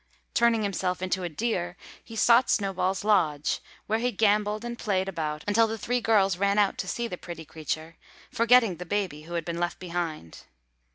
Turning himself into a deer, he sought Snowball's lodge, where he gambolled and played about until the three girls ran out to see the pretty creature, forgetting the baby who had been left behind.